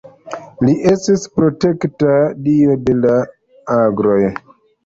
Li estis protekta dio de la agroj.